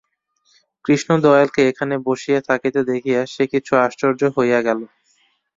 কৃষ্ণদয়ালকে এখানে বসিয়া থাকিতে দেখিয়া সে কিছু আশ্চর্য হইয়া গেল।